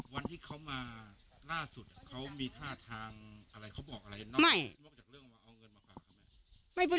วันที่เขามาล่าสุดเขามีท่าทางอะไรเขาบอกอะไรนอกนอกจากเรื่องมาเอาเงินมาฝากเขาไหม